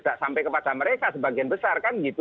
tidak sampai kepada mereka sebagian besar kan gitu